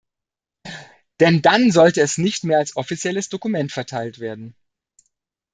Denn dann sollte es nicht mehr als offizielles Dokument verteilt werden.